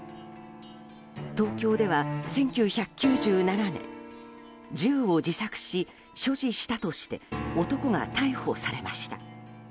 東京では１９９７年銃を自作し、所持したとして男が逮捕されました。